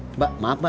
eh mbak maaf mbak